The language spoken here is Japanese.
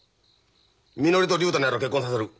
みのりと竜太の野郎結婚させる。